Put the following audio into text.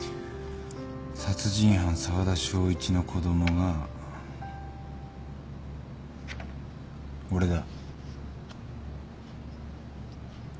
殺人犯沢田正一の子供が俺だ。